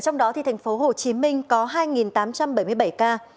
trong đó thì thành phố hồ chí minh có hai tám trăm bảy mươi bảy ca